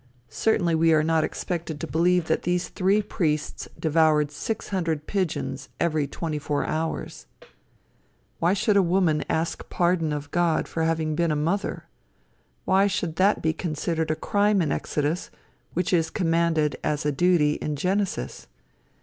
Certainly we are not expected to believe that these three priests devoured six hundred pigeons every twenty four hours. Why should a woman ask pardon of God for having been a mother? Why should that be considered a crime in Exodus, which is commanded as a duty in Genesis?